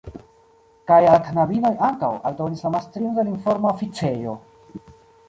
Kaj al knabinoj ankaŭ, aldonis la mastrino de la informa oficejo.